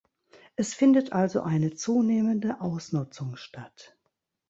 Es findet also eine zunehmende Ausnutzung statt.